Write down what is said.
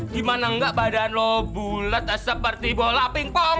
gimana ga badan lo bulet seperti bola ping pong